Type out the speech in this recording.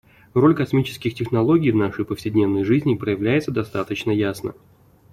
Роль космических технологий в нашей повседневной жизни проявляется достаточно ясно.